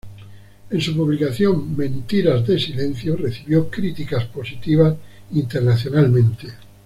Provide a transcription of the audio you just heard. En su publicación, M"entiras de Silencio" recibió críticas positivas internacionalmente.